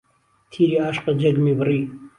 تیری ئاشقت جهرگمی بڕی